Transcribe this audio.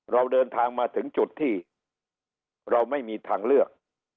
เราเดินทางมาถึงจุดที่เราไม่มีทางเลือก